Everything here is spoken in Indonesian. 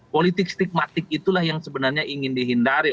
politik stigmatik itulah yang sebenarnya ingin dihindari